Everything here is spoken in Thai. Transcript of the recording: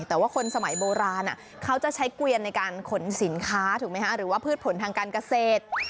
แต่ว่าคนสมัยโบราณเขาจะใช้เกวียนในการขนสินค้าถูกไหมฮะหรือว่าพืชผลทางการเกษตร